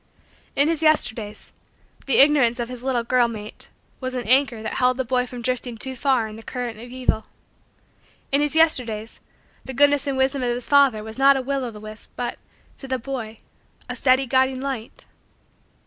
In his Yesterdays, the ignorance of his little girl mate was an anchor that held the boy from drifting too far in the current of evil. In his Yesterdays, the goodness and wisdom of his father was not a will o' the wisp but, to the boy, a steady guiding light.